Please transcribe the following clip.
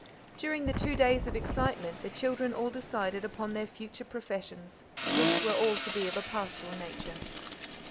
During the two days of excitement the children all decided upon their future professions, which were all to be of a pastoral nature.